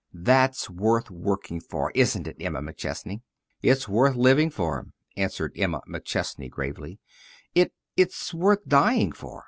That's worth working for, isn't it, Emma McChesney?" "It's worth living for," answered Emma McChesney, gravely. "It it's worth dying for.